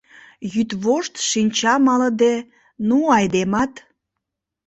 «Йӱдвошт шинча малыде, ну айдемат!